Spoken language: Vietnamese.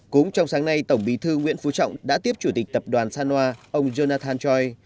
cũng trong sáng nay tổng bí thư nguyễn phú trọng đã tiếp chủ tịch tập đoàn sanoa ông jonathan choi